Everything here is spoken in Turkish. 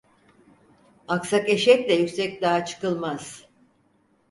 Aksak eşekle yüksek dağa çıkılmaz.